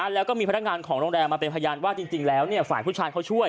แล้วก็มีพนักงานของโรงแรมมาเป็นพยานว่าจริงแล้วฝ่ายผู้ชายเขาช่วย